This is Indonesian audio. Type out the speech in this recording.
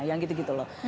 yang gitu gitu loh